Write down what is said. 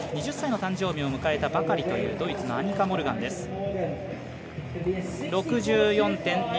２０歳の誕生日を迎えたばかりというドイツのアニカ・モルガンです。